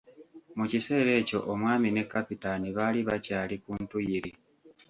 Mu kiseera ekyo omwami ne Kapitaani baali bakyali ku ntuyiri.